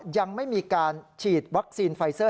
ยังไม่มีการฉีดวัคซีนไฟเซอร์